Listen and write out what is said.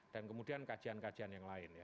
dan kemudian kajian kajian yang lain ya